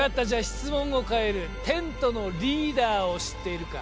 質問を変えるテントのリーダーを知っているか？